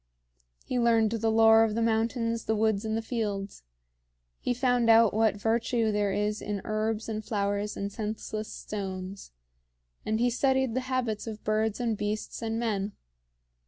He learned the lore of the mountains, the woods, and the fields. He found out what virtue there is in herbs and flowers and senseless stones; and he studied the habits of birds and beasts and men.